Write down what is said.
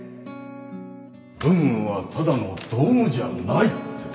文具はただの道具じゃないってことだよね